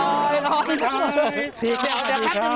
วันรองกระท้อย